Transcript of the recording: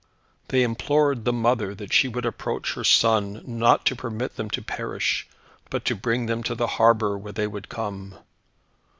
They implored the Mother that she would approach her Son, not to permit them to perish, but to bring them to the harbour where they would come.